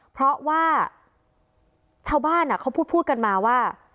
เพราะว่าชาวบ้านเขาพูดกันมาว่า